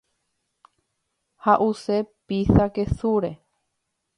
Ha’use pizza kesúre.